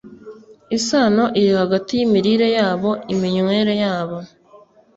isano iri hagati yimirire yabo iminywere yabo